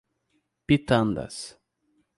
Pintadas